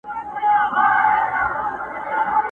جهاني له دې وطنه یوه ورځ کډي باریږي،